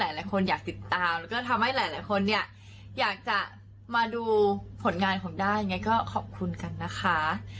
ยังไงก็ฝากทุกคนติดตามผลงานของด้ากันด้วยนะคะ